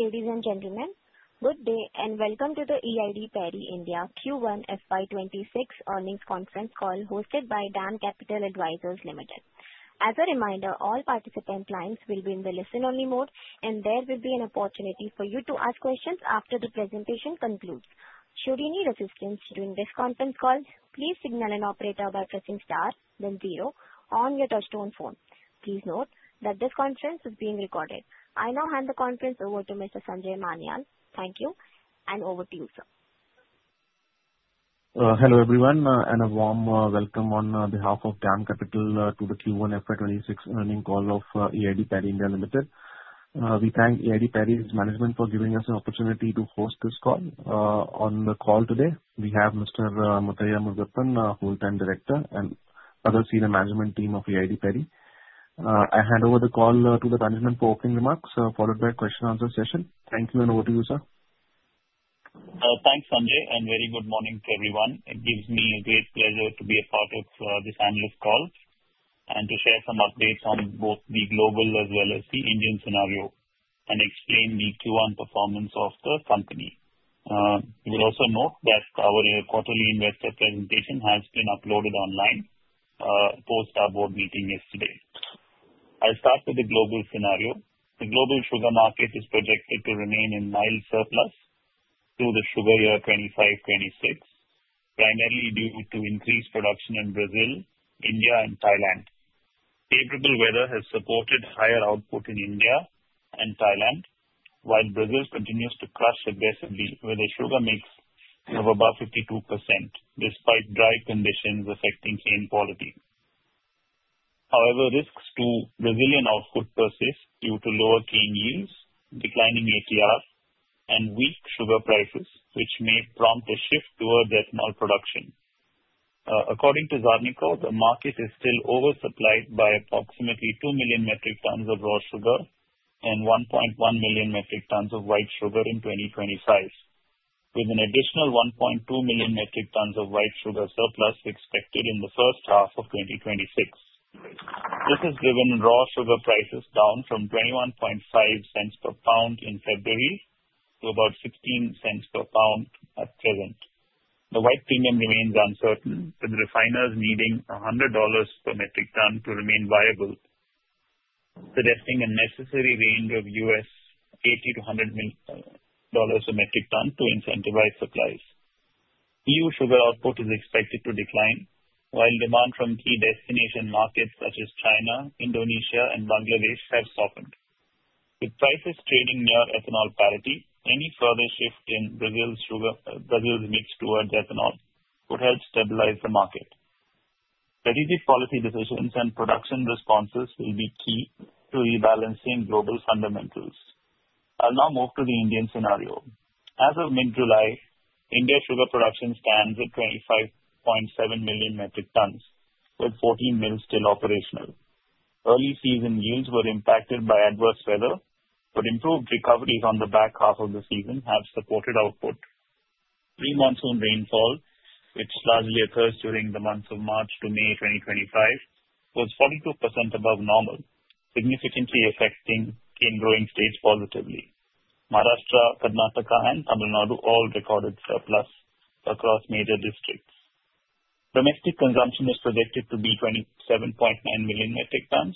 Ladies and gentlemen, good day and welcome to the E.I.D. Parry India Q1 FY2026 Earnings Conference Call hosted by DAM Capital Advisors Ltd. As a reminder, all participant lines will be in the listen-only mode, and there will be an opportunity for you to ask questions after the presentation concludes. Should you need assistance during this conference call, please signal an operator by pressing star, then zero on your touch-tone phone. Please note that this conference is being recorded. I now hand the conference over to Mr. Sanjay Manial. Thank you. Over to you, sir. Hello everyone, and a warm welcome on behalf of DAM Capital Advisors Ltd to the Q1 FY2026 Earnings Call of E.I.D. Parry India Ltd. We thank E.I.D. Parry India's management for giving us an opportunity to host this call. On the call today, we have Mr. Muthiah Murugappan, Full-Time Director, and other senior management team E.I.D. Parry. I hand over the call to the management for opening remarks, followed by a question-and-answer session. Thank you, and over to you, sir. Thanks, Sanjay. Very good morning to everyone. It gives me great pleasure to be a part of this analyst call and to share some updates on both the global as well as the Indian scenario and explain the Q1 performance of the company. You will also note that our Quarterly Investor Presentation has been uploaded online post our Board meeting yesterday. I'll start with the global scenario. The global sugar market is projected to remain in mild surplus through the sugar year 2025-2026, primarily due to increased production in Brazil, India, and Thailand. Favorable weather has supported higher output in India and Thailand, while Brazil continues to crush aggressively with a sugar mix of above 52% despite dry conditions affecting cane quality. However, risks to Brazilian output persist due to lower cane yields, declining APR, and weak sugar prices, which may prompt a shift toward ethanol production. According to Zarniko, the market is still oversupplied by approximately 2 million metric tons of raw sugar and 1.1 million metric tons of white sugar in 2025, with an additional 1.2 million metric tons of white sugar surplus expected in the first half of 2026. This is given raw sugar prices down from $0.215 per pound in February to about $0.16 per pound at present. The white premium remains uncertain, with refiners needing $100 per metric ton to remain viable, suggesting a necessary range of $80-$100 per metric ton to incentivize supplies. EU sugar output is expected to decline, while demand from key destination markets such as China, Indonesia, and Bangladesh has softened. With prices trading near ethanol parity, any further shift in Brazil's mix towards ethanol could help stabilize the market. Strategic policy decisions and production responses will be key to rebalancing global fundamentals. I'll now move to the Indian scenario. As of mid-July, India's sugar production stands at 25.7 million metric tons, with 14 mills still operational. Early season yields were impacted by adverse weather, but improved recoveries on the back half of the season have supported output. Pre-monsoon rainfall, which largely occurs during the months of March to May 2025, was 42% above normal, significantly affecting the in-growing states positively. Maharashtra, Karnataka, and Tamil Nadu all recorded surplus across major districts. Domestic consumption is projected to be 27.9 million metric tons,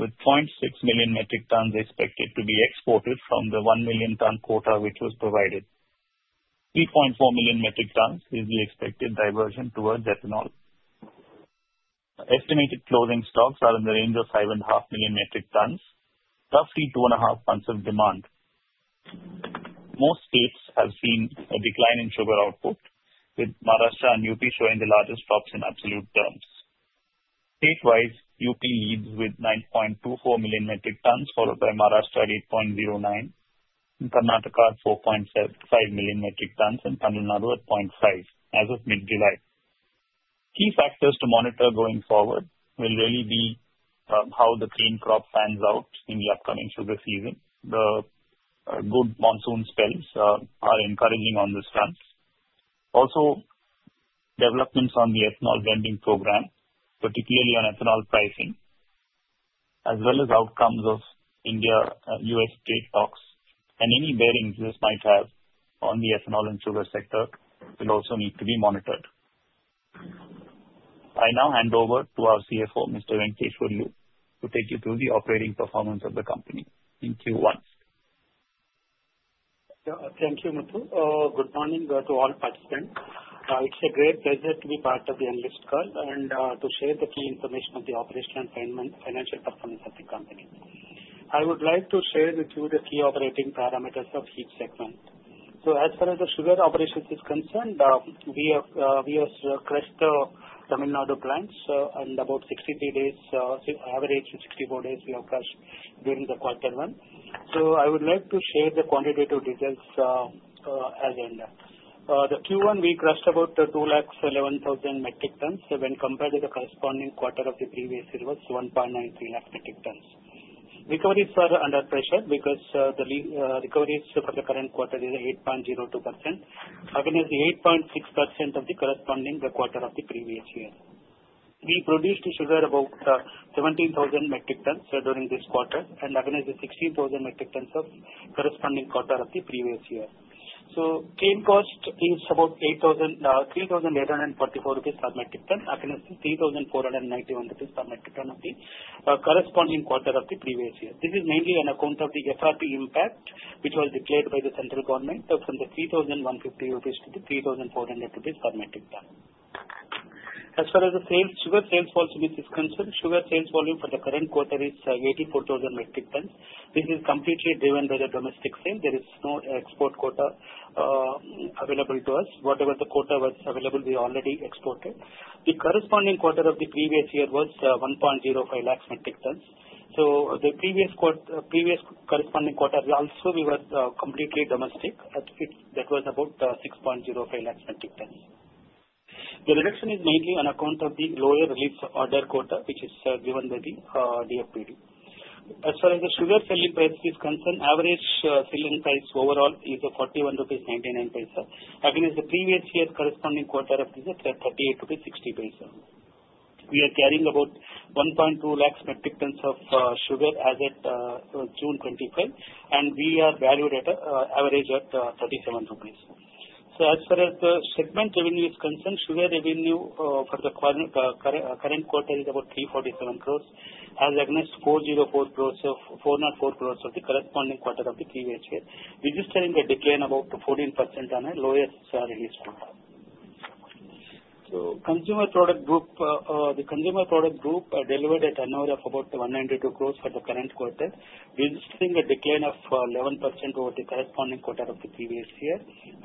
with 0.6 million metric tons expected to be exported from the 1 million ton quota which was provided. 3.4 million metric tons is the expected diversion towards ethanol. Estimated closing stocks are in the range of 5.5 million metric tons, roughly 2.5 million metric tons of demand. Most states have seen a decline in sugar output, with Maharashtra and Uttar Pradesh showing the largest drops in absolute terms. Statewise, Uttar Pradesh yields with 9.24 million metric tons, followed by Maharashtra at 8.09 million metric tons, Karnataka at 4.75 million metric tons, and Tamil Nadu at 0.5 million metric tons as of mid-July. Key factors to monitor going forward will really be how the cane crop pans out in the upcoming sugar season. The good monsoon spells are encouraging on the stocks. Also, developments on the ethanol blending program, particularly on ethanol pricing, as well as outcomes of India-U.S. trade talks and any bearings this might have on the ethanol and sugar sector, will also need to be monitored. I now hand over to our CFO, Mr. Venkatesh Guru, to take you through the operating performance of the company in Q1. Thank you, Mithu. Good morning to all participants. It's a great pleasure to be part of the analyst call and to share the key information of the operational and financial performance of the company. I would like to share with you the key operating parameters of each segment. As far as the sugar operations are concerned, we have crushed the Tamil Nadu plants, and about 63 days, average 64 days crushed during the quarter one. I would like to share the quantitative results at the end. The Q1, we crushed about 211,000 metric tons when compared with the corresponding quarter of the previous year, which was 193,000 metric tons. Recoveries are under pressure because the recoveries for the current quarter are 8.02%, against 8.6% of the corresponding quarter of the previous year. We produced sugar about 17,000 metric tons during this quarter and against 16,000 metric tons of the corresponding quarter of the previous year. Cane cost is about 3,844 rupees per metric ton, against 3,491 rupees per metric ton of the corresponding quarter of the previous year. This is mainly on account of the FRP impact, which was declared by the central government from the 3,150 rupees to the 3,400 rupees per metric ton. As far as the sugar sales volume is concerned, sugar sales volume for the current quarter is 84,000 metric tons, which is completely driven by the domestic sale. There is no export quota available to us. Whatever the quota was available, we already exported. The corresponding quarter of the previous year was 105,000 metric tons. The previous corresponding quarter also was completely domestic. That was about 605,000 metric tons. The reduction is mainly on account of the lower release order quota, which is given by the DFPD. As far as the sugar selling prices are concerned, average selling price overall is INR 41.99, against the previous year's corresponding quarter of the year at INR 38.60. We are carrying about 120,000 metric tons of sugar as of June 25, and we are valued at an average of 37 rupees. As far as the segment revenue is concerned, sugar revenue for the current quarter is about 347 crore, against 404 crore of the corresponding quarter of the previous year, registering a decline of about 14% on a lower release order. The consumer product group delivered a turnover of about 192 crores for the current quarter, registering a decline of 11% over the corresponding quarter of the previous year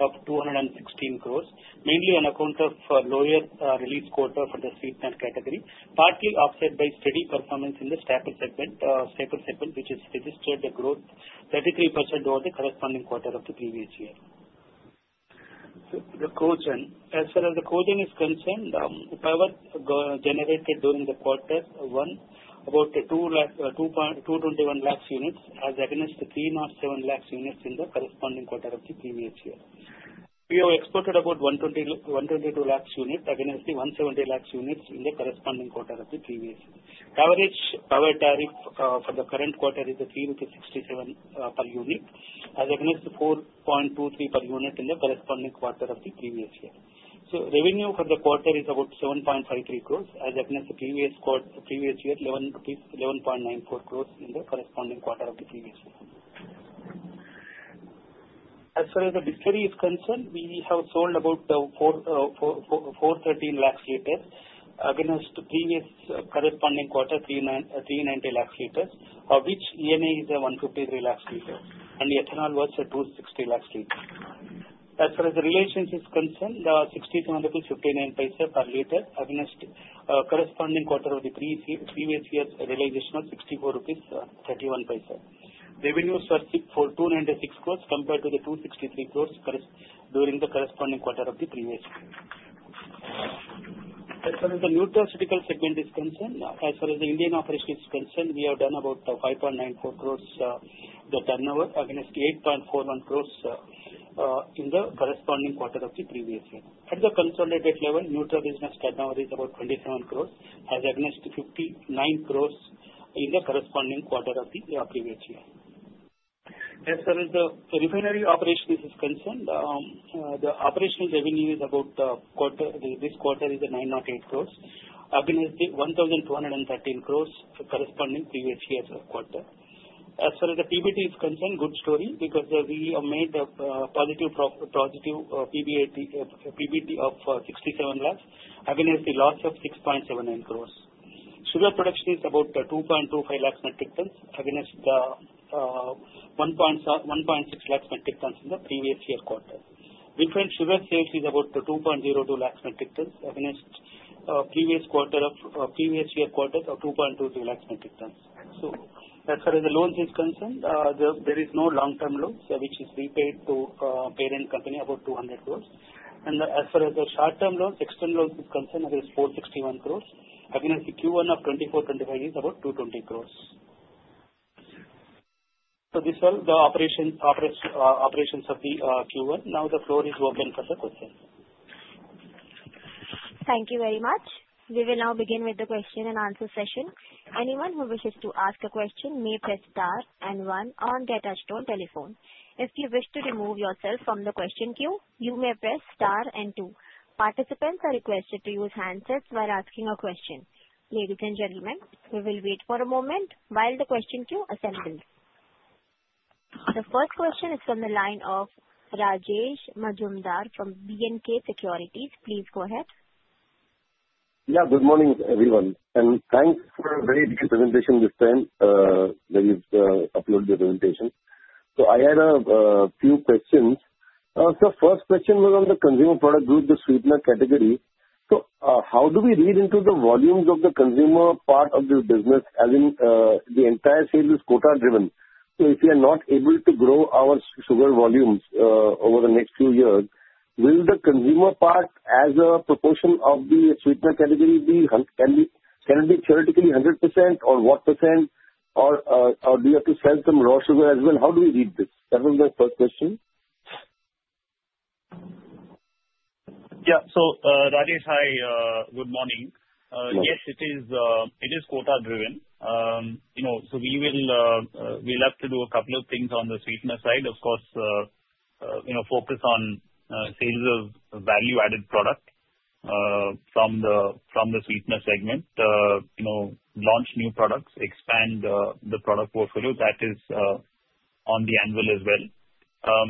of 216 crores, mainly on account of a lower release quota for the sweetener category, partially offset by steady performance in the staples segment, which is registering a growth of 33% over the corresponding quarter of the previous year. As far as the cogen is concerned, the power generated during quarter one is about 221 lakh units, against the 307 lakh units in the corresponding quarter of the previous year. We have exported about 122 lakh units, against the 170 lakh units in the corresponding quarter of the previous year. The average power tariff for the current quarter is INR 3.67 per unit, against 4.23 per unit in the corresponding quarter of the previous year. Revenue for the quarter is about 7.53 crores, against the previous year 11.94 crores in the corresponding quarter of the previous year. As far as the distillery segment is concerned, we have sold about 413 lakh L, against the previous corresponding quarter 390 lakh L, of which ENA is 153 lakh L, and ethanol was 260 lakh L. As far as the realization is concerned, it is 62.59 per liter, against the corresponding quarter of the previous year's realization of 64.31 rupees. Revenue is up to 296 crores compared to the 263 crores during the corresponding quarter of the previous year. As far as the nutraceuticals segment is concerned, as far as the Indian operation is concerned, we have done about 5.94 crores per tonnage against 8.41 crores in the corresponding quarter of the previous year. At the consolidated level, nutraceuticals business tonnage is about 27 crores, against 59 crores in the corresponding quarter of the previous year. As far as the refinery operations are concerned, the operations revenue for this quarter is 9.8 crores, against 1,213 crores for the corresponding previous year's quarter. As far as the PBT is concerned, good story because we made a positive PBT of 67 lakhs, against the loss of 6.79 crores. Sugar production is about 2.25 lakh metric tons, against 1.6 lakh metric tons in the previous year quarter. Refined sugar sales are about 2.02 lakh metric tons, against the previous year's quarter of 2.23 lakh metric tons. As far as the loss is concerned, there is no long-term loss, which is repaid to the parent company about 200 crores. As far as the short-term loss, external loss is concerned, it is 461 crore. Agonizing the Q1 of 2024-2025 is about 220 crore. These are the operations of the Q1. Now, the floor is open for the questions. Thank you very much. We will now begin with the question and answer session. Anyone who wishes to ask a question may press star and one on their touch-tone telephone. If you wish to remove yourself from the question queue, you may press star and two. Participants are requested to use handsets when asking a question. Ladies and gentlemen, we will wait for a moment while the question queue assembles. The first question is from the line of Rajesh Majumdar from B&K Securities. Please go ahead. Yeah, good morning everyone. Thanks for a very detailed presentation this time that you've uploaded the presentation. I had a few questions. The first question was on the consumer product group, the sweet nut category. How do we read into the volumes of the consumer part of this business, as in the entire sale is quota-driven? If we are not able to grow our sugar volumes over the next few years, will the consumer part as a proportion of the sweet nut category be theoretically 100% or what percent, or do you have to strengthen raw sugar as well? How do we read this? That was my first question. Yeah, so Rajesh, hi, good morning. Yes, it is quota-driven. We will have to do a couple of things on the sweetness side. Of course, focus on sales of value-added product from the sweetness segment, launch new products, expand the product portfolio that is on the annual as well.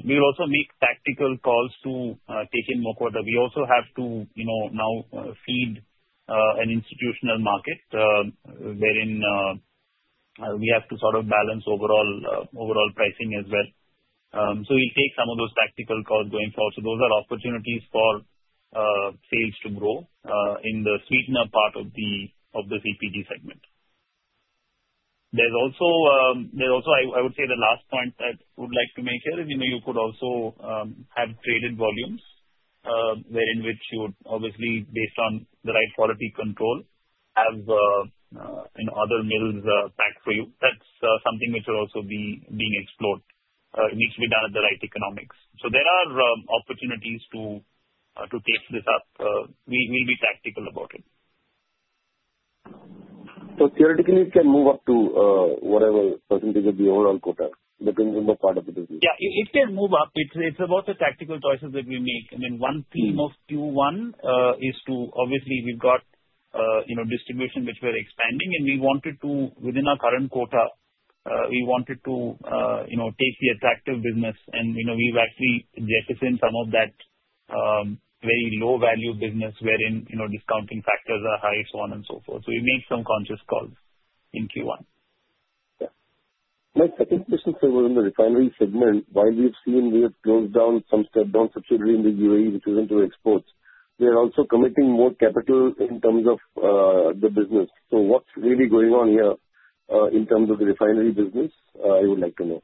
We'll also make tactical calls to take in more quota. We also have to now feed an institutional market wherein we have to sort of balance overall pricing as well. We'll take some of those tactical calls going forward. Those are opportunities for sales to grow in the sweet nut part of the CPG segment. There's also, I would say, the last point I would like to make here is, you could also have traded volumes wherein which you would obviously, based on the right quality control, have other mills packed for you. That's something which would also be being explored.It needs to be done at the right economics. There are opportunities to take this up. We'll be tactical about it. Theoretically, we can move up to whatever percent of the overall quota depends on the part of the business. Yeah, if they move up, it's about the tactical choices that we make. I mean, one theme of Q1 is to obviously we've got distribution, which we're expanding, and we wanted to, within our current quota, take the attractive business. We've actually jettisoned some of that very low-value business wherein discounting factors are high, so on and so forth. We make some conscious calls in Q1. My second question was on the refinery segment. While we've seen we have gone down some step down subsidiary in the GOE, which is into exports, we are also committing more capital in terms of the business. What's really going on here in terms of the refinery business? I would like to know.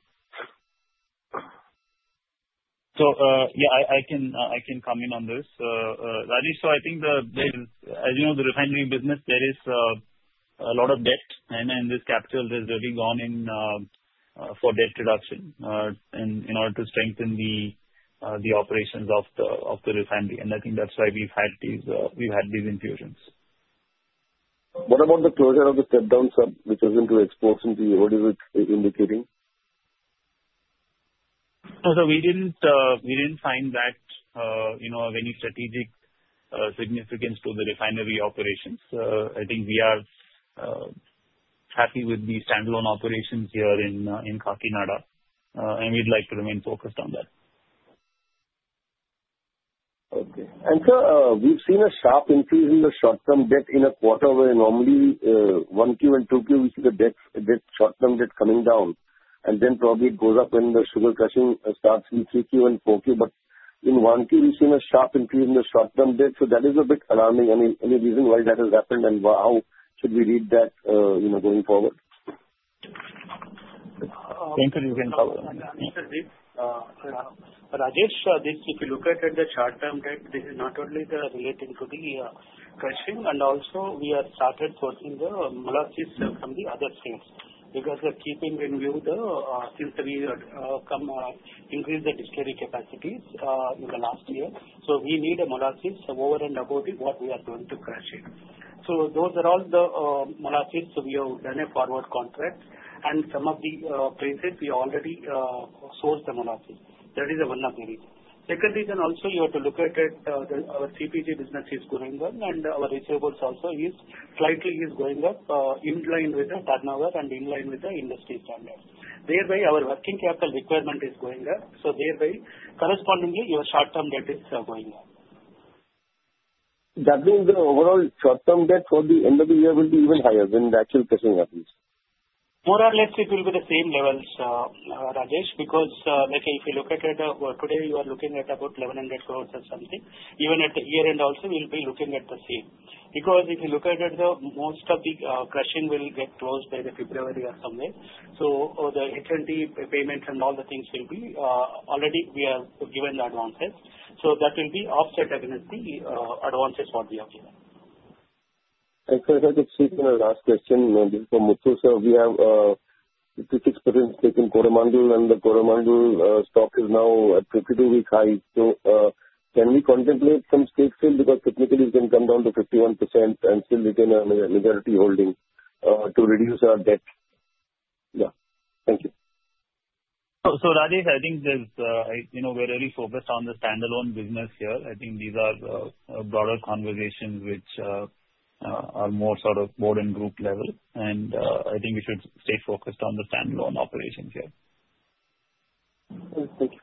Yeah, I can come in on this, Rajesh. I think the, as you know, the refinery business, there is a lot of debt, and this capital is driven in for debt reduction in order to strengthen the operations of the refinery. I think that's why we've had these infusions. What about the closure of the step down, sir, which is into exports? What is it indicating? We didn't find that, you know, of any strategic significance to the refinery operations. I think we are happy with the standalone operations here in Karkhynada, and we'd like to remain focused on that. Okay. We've seen a sharp increase in the short-term debt in a quarter where normally in Q1 and Q2, we see the short-term debt coming down, and then it probably goes up when the sugar crushing starts in Q3 and Q4. In Q1, we've seen a sharp increase in the short-term debt. That is a bit alarming. Any reason why that has happened and how should we read that going forward? Venkateshwarlu, you can cover that. Rajesh, if you look at the short-term debt, this is not only relating to the crushing and also we are starting putting the molasses from the other sales because we're keeping in view the increase in the distillery capacities in the last year. We need a molasses over and above what we are going to crush in. Those are all the molasses we have done a forward contract and some of the precepts we already sold the molasses. That is one of the reasons. The second reason also, you have to look at our consumer product group business is going up and our reachables also is slightly going up in line with the turnover and in line with the industry standards. Thereby, our working capital requirement is going up. Thereby, correspondingly, your short-term debt is going up. That means that overall short-term debt for the end of the year will be even higher than the actual pricing, at least. For our legs it will be the same levels, Rajesh, because if you look at it today, you are looking at about 1,100 crore or something. Even at the year end also, we'll be looking at the same because if you look at it, most of the crushing will get closed by February or somewhere. The F&T payment and all the things will be already we are given advances. That will be offset against the advances what we have given. Thanks for that. Let's see the last question. This is from Muthiah. Sir, we have a 36% stake in Coromandel and the Coromandel stock is now at 52-week high. Can we contemplate some stake sale because technically it can come down to 51% and still retain our majority holding to reduce our debt? Yeah, thank you. Rajesh, I think there's, you know, we're really focused on the standalone business here. I think these are broader conversations which are more sort of Board and Group level, and I think we should stay focused on the standalone operations here. Thank you.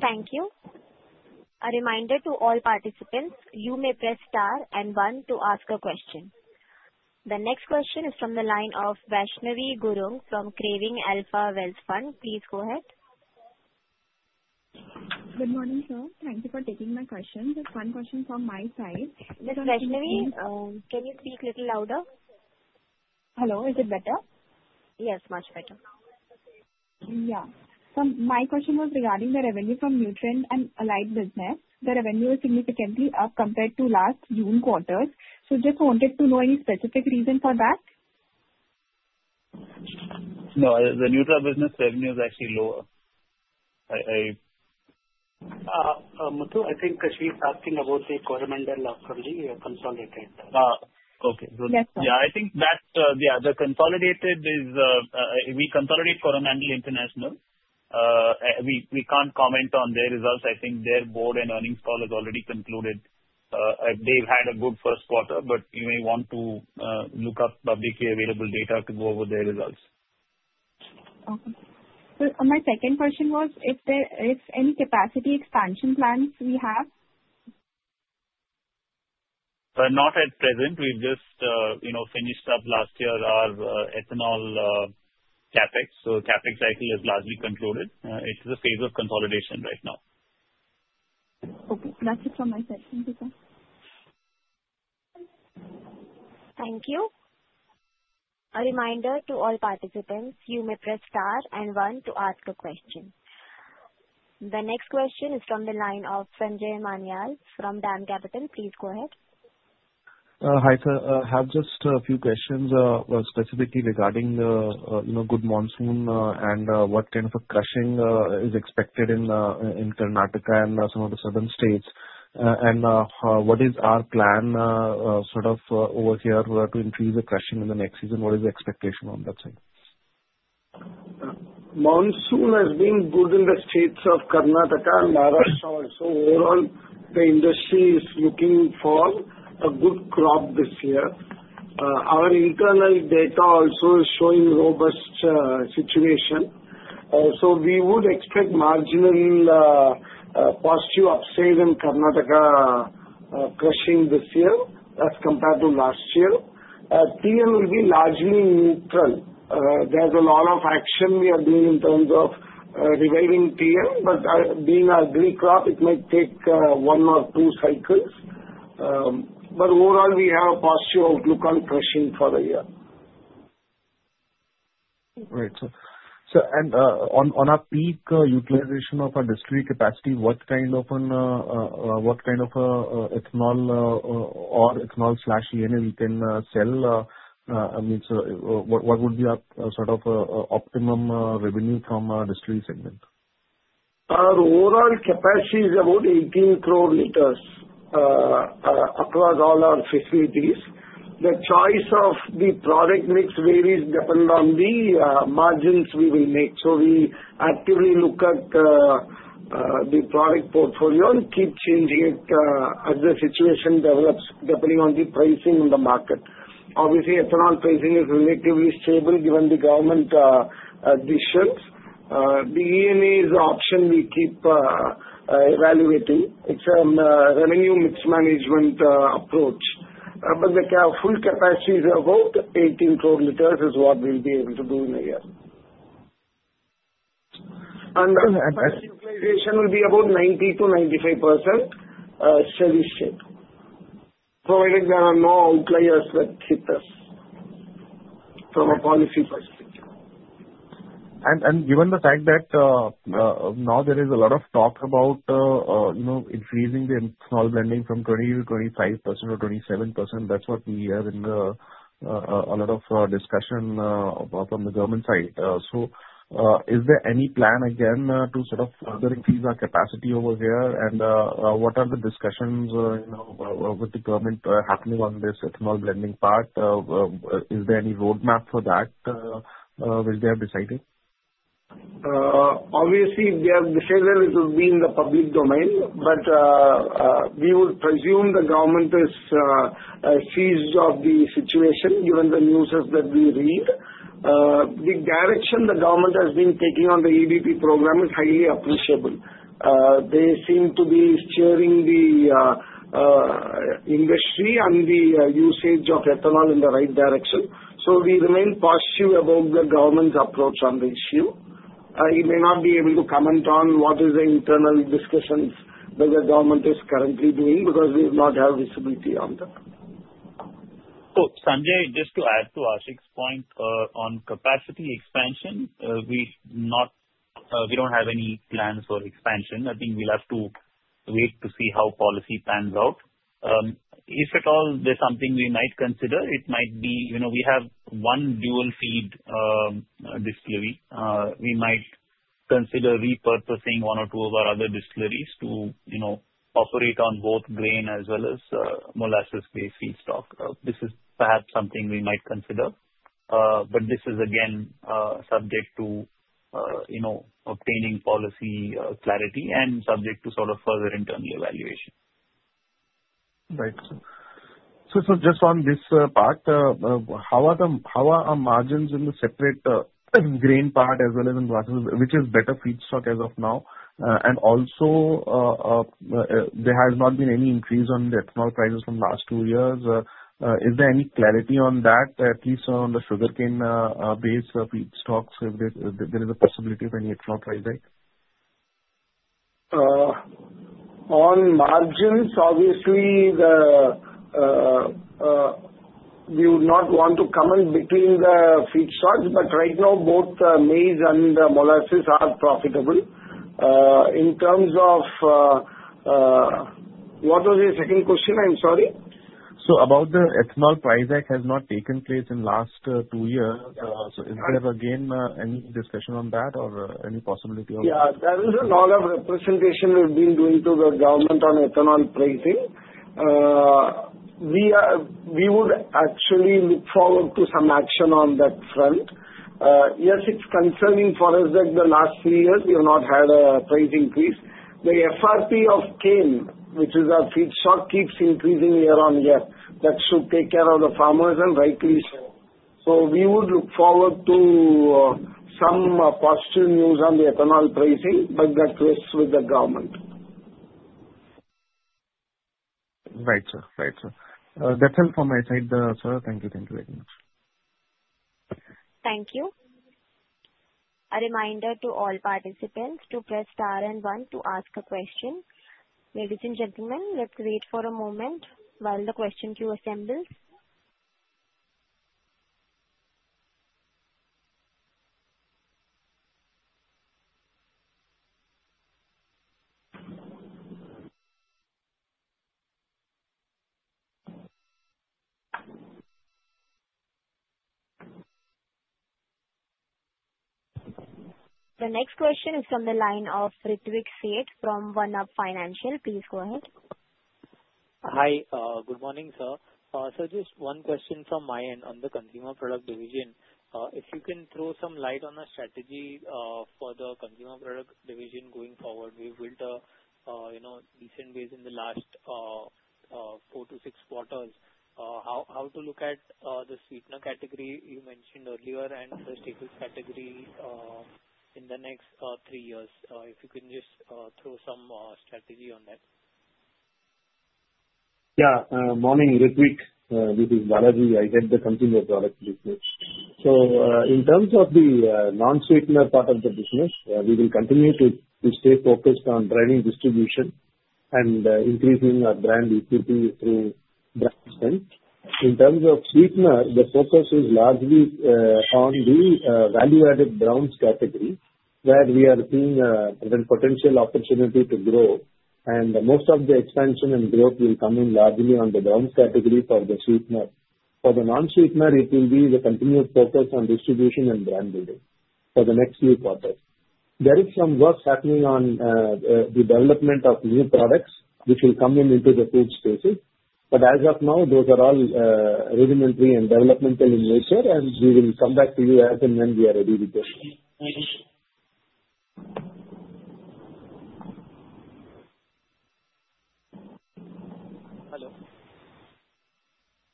Thank you. A reminder to all participants, you may press star and one to ask a question. The next question is from the line of Vaishnavi Gurung from Craving Alpha Wealth Fund. Please go ahead. Good morning, sir. Thank you for taking my question. Just one question from my side. Yes, Vaishnavi, can you speak a little louder? Hello, is it better? Yes, much better. Yeah, my question was regarding the revenue from Nutrient and Allied Business. The revenue is significantly up compared to last June quarter. I just wanted to know any specific reason for that? No, the Nutra Business revenue is actually lower. Muthiah, I think she's asking about the Coromandel International Limited law firmly. Okay. Yes, sir. Yeah, I think that, yeah, the consolidated is we consolidate Coromandel International Limited. We can't comment on their results. I think their board and earnings call has already concluded. They've had a good first quarter, but you may want to look up publicly available data to go over their results. Okay, my second question was if there is any capacity expansion plans we have? Not at present. We've just finished up last year our ethanol CapEx. CapEx cycle is largely concluded. It's a phase of consolidation right now. Okay, that's it from my side. Thank you. A reminder to all participants, you may press star and one to ask a question. The next question is from the line of Sanjay Manyal from DAM Capital. Please go ahead. Hi, sir. I have just a few questions specifically regarding the good monsoon and what kind of a crushing is expected in Karnataka and some of the southern states. What is our plan over here to increase the crushing in the next season? What is the expectation on that side? Monsoon has been good in the states of Karnataka and Maharashtra also. Overall, the industry is looking for a good crop this year. Our internal data also is showing a robust situation. We would expect marginal positive upside in Karnataka crushing this year as compared to last year. Tamil Nadu will be largely neutral. There is a lot of action we are doing in terms of rebuilding Tamil Nadu, but being a green crop, it might take one or two cycles. Overall, we have a positive outlook on crushing for the year. Great. On a peak utilization of our distillery capacity, what kind of ethanol or ethanol/ENA can you sell? I mean, sir, what would be a sort of optimum revenue from our distillery segment? Our overall capacity is about 180 million liters across all our facilities. The choice of the product mix varies depending on the margins we will make. We actively look at the product portfolio and keep changing it as the situation develops depending on the pricing in the market. Obviously, ethanol pricing is relatively stable given the government additions. The ENA is an option we keep evaluating. It's a revenue mix management approach. The full capacity is about 180 million L is what we'll be able to do in a year. The capacity utilization will be about 90%-95% provided there are no outliers with cheaper from a policy perspective. Given the fact that now there is a lot of talk about increasing the ethanol blending from 20% to 25% or 27%, that's what we hear in a lot of discussion from the government side. Is there any plan again to sort of further increase our capacity over here? What are the discussions with the government happening on this ethanol blending part? Is there any roadmap for that which they are deciding? Obviously, if they have decided it would be in the public domain, but we would presume the government is seized of the situation given the news that we read. The direction the government has been taking on the ethanol blending program is highly appreciable. They seem to be steering the industry and the usage of ethanol in the right direction. We remain positive about the government's approach on the issue. I may not be able to comment on what is the internal discussions that the government is currently doing because we have not had visibility on that. Oh, Sanjay, just to add to Aashik's point on capacity expansion, we don't have any plans for expansion. I think we'll have to wait to see how policy pans out. If at all there's something we might consider, it might be, you know, we have one dual feed distillery. We might consider repurposing one or two of our other distilleries to, you know, operate on both grain as well as molasses-based feedstock. This is perhaps something we might consider. This is again subject to, you know, obtaining policy clarity and subject to sort of further internal evaluation. Right. Just on this part, how are the margins in the separate grain part as well as in the which is better feedstock as of now? Also, there has not been any increase on the ethanol prices from the last two years. Is there any clarity on that, at least on the sugarcane-based feedstocks, if there is a possibility of any ethanol price hike? On margins, obviously, we would not want to come in between the feedstocks, but right now both maize and molasses are profitable. In terms of what was your second question? I'm sorry. About the ethanol price hike, it has not taken place in the last two years. Is there again any discussion on that or any possibility of? Yeah, there is a lot of representation we've been doing to the government on ethanol pricing. We would actually look forward to some action on that front. It's concerning for us that the last few years we have not had a price increase. The FRP of cane, which is our feedstock, keeps increasing year-on-year. That should take care of the farmers and rightly so. We would look forward to some positive news on the ethanol pricing, but that rests with the government. Right, sir. Right, sir. That's it from my side. Sir, thank you. Thank you very much. Thank you. A reminder to all participants to press star and one to ask a question. Ladies and gentlemen, let's wait for a moment while the question queue assembles. The next question is from the line of Ritwik Sheth from One Up Financial. Please go ahead. Hi, good morning, sir. Sir, just one question from my end on the consumer product division. If you can throw some light on the strategy for the consumer product division going forward, we've built a decent base in the last four to six quarters. How to look at the sweetener category you mentioned earlier and first staples category in the next three years? If you can just throw some strategy on that. Yeah, good morning, Ritwik. This is Balaji. I head the Consumer Product Business. In terms of the non-staples part of the business, we will continue to stay focused on driving distribution and increasing our brand EQP through that. In terms of sweetener, the focus is largely on the value-added browns category where we are seeing a potential opportunity to grow. Most of the expansion and growth will come in largely on the browns category for the sweetener. For the non-sweetener, it will be the continued focus on distribution and brand building for the next few quarters. There is some work happening on the development of new products which will come in into the page spacing. As of now, those are all rudimentary and developmental in nature, and we will come back to you as and when we are ready with those.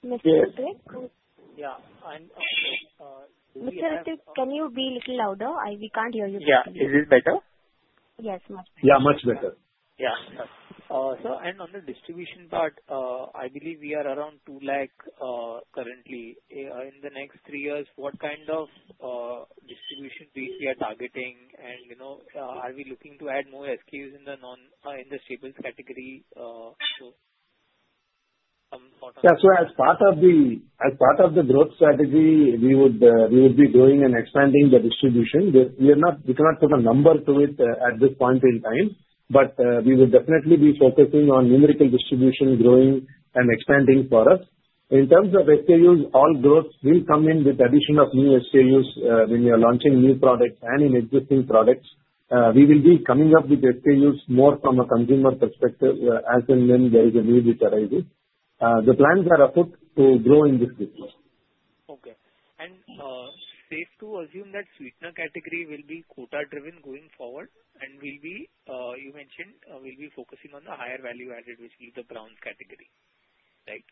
Mr. Ritwik? Yeah, I'm. Mr. Ritvik, can you be a little louder? We can't hear you very well. Yeah, is it better? Yes, much better. Yeah, much better. Yeah, yeah. On the distribution part, I believe we are around 2 lakh currently. In the next three years, what kind of distribution piece are we targeting? Are we looking to add more SKUs in the non-staples category? As part of the growth strategy, we would be growing and expanding the distribution. We cannot put a number to it at this point in time, but we will definitely be focusing on numerical distribution, growing, and expanding products. In terms of SKUs, all those will come in with the addition of new SKUs when you're launching new products and in existing products. We will be coming up with SKUs more from a consumer perspective as and when there is a need which arises. The plans are put to grow in this district. Okay. Safe to assume that sweetener category will be quota-driven going forward and you mentioned will be focusing on the higher value added, which is the browns category, right?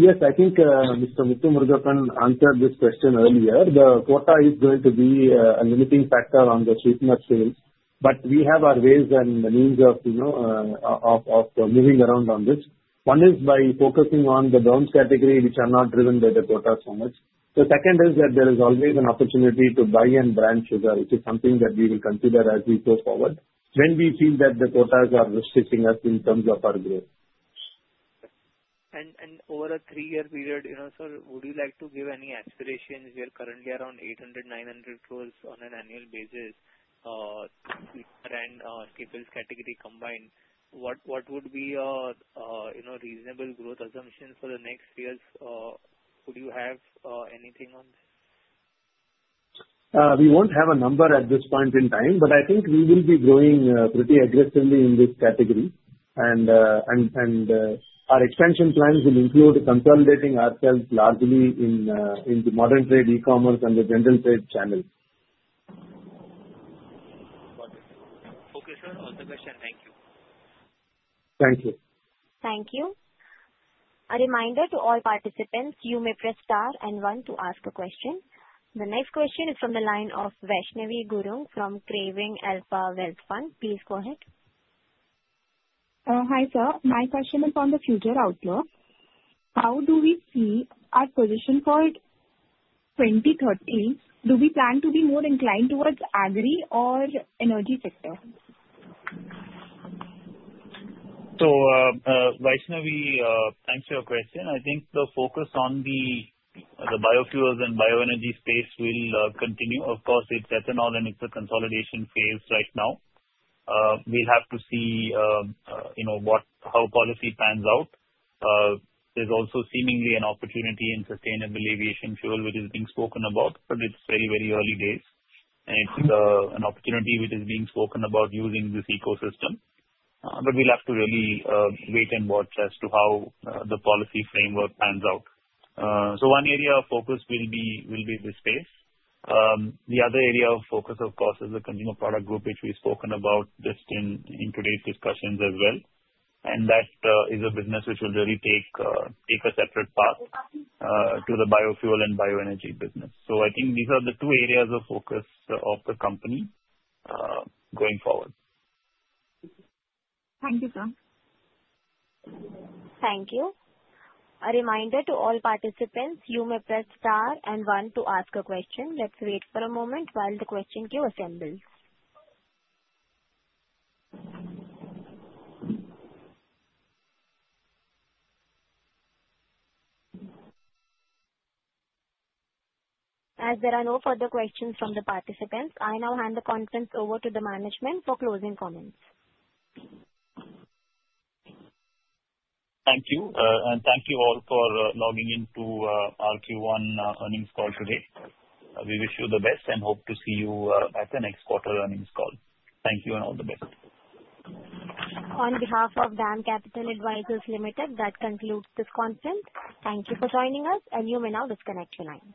Yes, I think Mr. Muthiah Murugappan answered this question earlier. The quota is going to be a limiting factor on the sweetener sales, but we have our ways and the means of living around on this. One is by focusing on the browns category, which are not driven by the quotas so much. The second is that there is always an opportunity to buy in branch sugar, which is something that we will consider as we go forward when we feel that the quotas are restricting us in terms of our growth. Over a three-year period, sir, would you like to give any aspirations? We are currently around 800 crore, 900 crore on an annual basis with brand or staples category combined. What would be a reasonable growth assumption for the next years? Would you have anything on this? We won't have a number at this point in time, but I think we will be growing pretty aggressively in this category. Our expansion plans will include consolidating ourselves largely in the modern trade e-commerce and the general trade channels. Got it. Okay, sir. All the questions. Thank you. Thank you. Thank you. A reminder to all participants, you may press star and one to ask a question. The next question is from the line of Vaishnavi Gurung from Craving Alpha Wealth Fund. Please go ahead. Hi, sir. My question is on the future outlook. How do we see our position for it? In 2013, do we plan to be more inclined towards agri or energy sector? Vaishnavi, thanks for your question. I think the focus on the biofuels and bioenergy space will continue. Of course, it's ethanol and it's a consolidation phase right now. We'll have to see how policy pans out. There's also seemingly an opportunity in sustainable aviation fuel, which is being spoken about, but it's very, very early days. It's an opportunity which is being spoken about using this ecosystem. We'll have to really wait and watch as to how the policy framework pans out. One area of focus will be this space. The other area of focus, of course, is the consumer product group, which we've spoken about just in today's discussions as well. That is a business which will really take a separate path to the biofuel and bioenergy business. I think these are the two areas of focus of the company going forward. Thank you, sir. Thank you. A reminder to all participants, you may press star and one to ask a question. Let's wait for a moment while the question queue assembles. As there are no further questions from the participants, I now hand the conference over to the management for closing comments. Thank you. Thank you all for logging into our Q1 Earnings Call today. We wish you the best and hope to see you at the next quarter earnings call. Thank you and all the best. On behalf of DAM Capital Advisors Ltd, that concludes this conference. Thank you for joining us, and you may now disconnect your line.